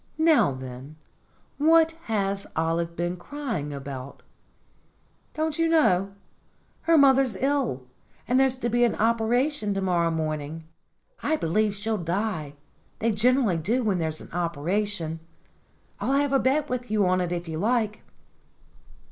"Now, then, what has Olive been crying about?" "Don't you know? Her mother's ill, and there's to be an operation to morrow morning. I believe she'll die ; they generally do when there's an operation. I'll have a bet with you on it, if you like."